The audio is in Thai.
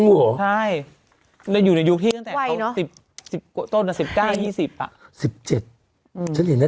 ฉันเห็นนั่นเองตั้งแต่๑๗